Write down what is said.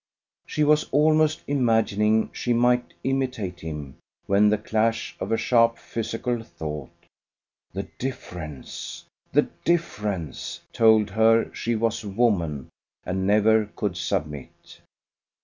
She was almost imagining she might imitate him when the clash of a sharp physical thought, "The difference! the difference!" told her she was woman and never could submit.